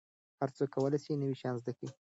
هر څوک کولای سي نوي شیان زده کړي.